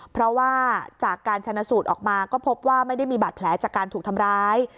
เพราะว่าจากการชนะสูตรออกมาก็พบว่าไม่ได้มีบาดแผลจากการถูกทำร้าย